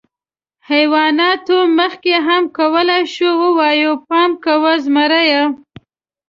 حیواناتو مخکې هم کولی شول، ووایي: «پام کوئ، زمری!».